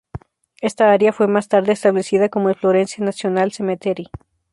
Esta área fue más tarde establecida como el Florence National Cemetery.